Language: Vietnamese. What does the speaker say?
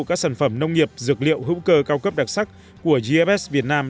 các sản phẩm nông nghiệp dược liệu hữu cơ cao cấp đặc sắc của gfs việt nam